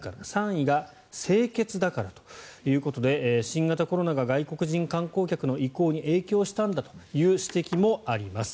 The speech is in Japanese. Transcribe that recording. ３位が清潔だからということで新型コロナが外国人観光客の意向に影響したんだという指摘もあります。